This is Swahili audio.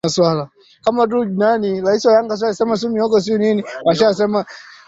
kuna baadhi ya makosa katika vitendea kazi za kuhesabu kura